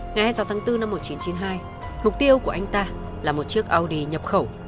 ngay sau tháng bốn năm một nghìn chín trăm chín mươi hai mục tiêu của anh ta là một chiếc audi nhập khẩu